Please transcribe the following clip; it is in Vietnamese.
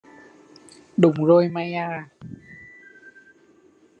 Đúng rồi mày à